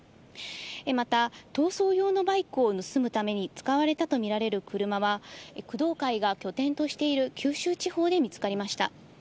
また、逃走用のバイクを盗むために使われたと見られる車は、工藤会が拠点としている九州地方で見つかりました。